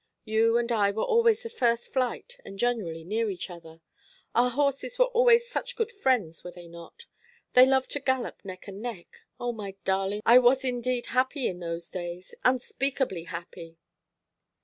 You and I were always in the first flight, and generally near each other. Our horses were always such good friends, were they not? They loved to gallop neck and neck. O my darling, I was indeed happy in those days unspeakably happy."